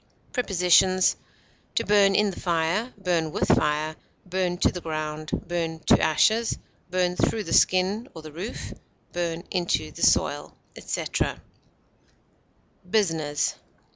Prepositions: To burn in the fire, burn with fire; burn to the ground, burn to ashes; burn through the skin, or the roof; burn into the soil, etc. BUSINESS.